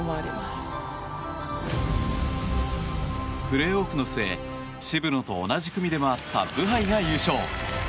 プレーオフの末渋野と同じ組で回ったブハイが優勝。